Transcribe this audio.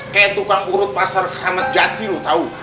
kayak tukang urut pasar kramat jati lo tau